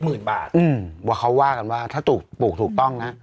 อืมว่าเขาว่ากันว่าถ้าปลูกถูกต้องนะ